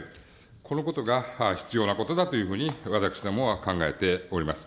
このことが、必要なことだというふうに私どもは考えております。